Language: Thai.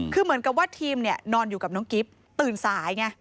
คือเหมือนกับว่าทีมเนี่ยนอนอยู่กับน้องกิฟต์ตื่นสายไง